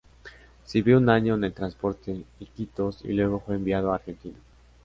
Sirvió un año en el transporte "Iquitos" y luego fue enviado a Argentina.